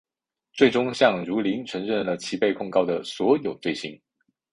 最终向汝霖承认了其被控告的所有罪行。